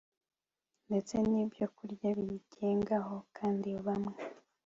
ndetse nibyokurya bigengaho kandi bamwe